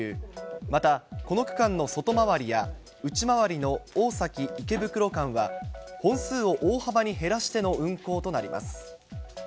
またこの区間の外回りや、内回りの大崎・池袋間は、本数を大幅に減らしての運行となります。